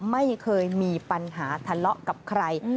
ไม่เคยมีปัญหาทะเลาะกับใคร